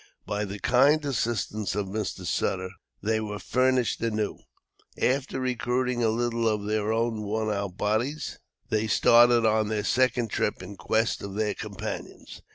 By the kind assistance of Mr. Sutter, they were furnished anew. After recruiting a little their own worn out bodies, they started on their second trip in quest of their companions.